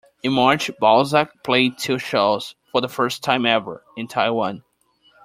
In March Balzac played two shows, for the first time ever, in Taiwan.